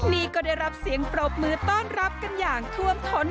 นี่ก็ได้รับเสียงปรบมือต้อนรับกันอย่างท่วมท้น